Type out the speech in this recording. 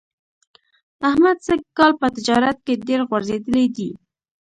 احمد سږ کال په تجارت کې ډېر غورځېدلی دی.